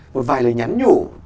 một vài lời nhắn nhủ